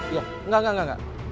iya enggak enggak enggak